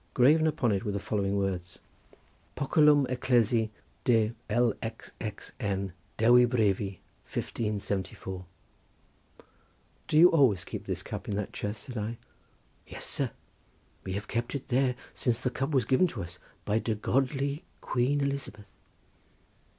Graven upon it were the following words:— "Poculum Eclesie De LXXN Dewy Brefy 1574." "Do you always keep this cup in that chest?" said I. "Yes, sir! we have kept it there since the cup was given to us by de godly Queen Elizabeth."